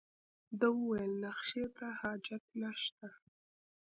ده وویل نخښې ته حاجت نشته.